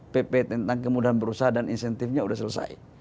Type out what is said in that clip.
pp tentang kemudahan berusaha dan insentifnya sudah selesai